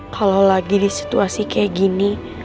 kalau lagi di situasi kayak gini